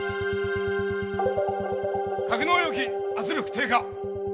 格納容器圧力低下。